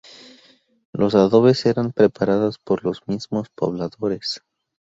Los adobes eran preparados por los mismos pobladores.